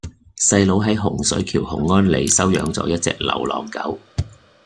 細佬喺洪水橋洪安里收養左一隻流浪狗